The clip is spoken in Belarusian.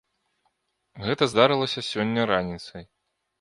Гэта здарылася сёння раніцай.